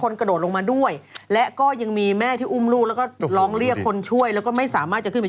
เพราะว่าเป็นจากชั้น๒ก็ลงไหลไม่ได้